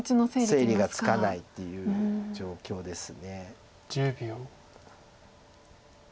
整理がつかないっていう状況です。